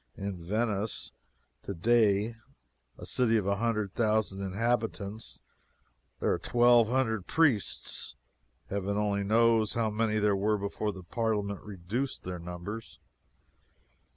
In Venice, today, a city of a hundred thousand inhabitants, there are twelve hundred priests. Heaven only knows how many there were before the Parliament reduced their numbers.